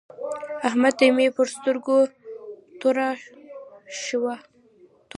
احمد ته مې پر سترګو توره شوه.